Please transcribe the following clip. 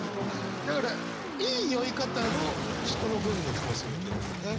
だからいい酔い方の人の文の気もするけれどね。